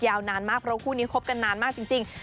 ยาวนานมากเพราะคู่นี้คบกันนานมากจริง